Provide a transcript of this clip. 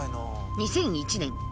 ２００１年